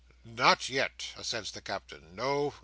"Not yet," assents the Captain. "No.